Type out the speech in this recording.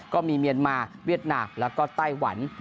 ก็มีเมียนมาเวียดนามแล้วก็ไต้หวัน